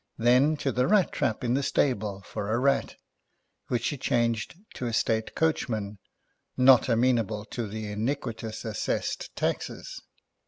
Then, to the rat trap in the stable for a rat, which she changed to a state coachman, not amenable to the iniquitous assessed taxes.